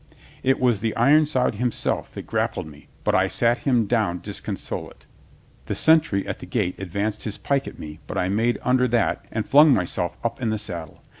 .. "It was the Ironside himself that grap pled me, but I sat him down disconsolate. The sen try at the gate advanced his pike at me, but I made under that and flung myself up in the saddle.